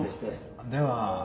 では。